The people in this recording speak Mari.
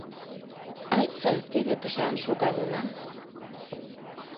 Айста теве тышан шогалына.